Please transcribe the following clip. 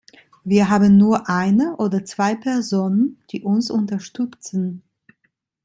Wir haben nur eine oder zwei Personen, die uns unterstützen.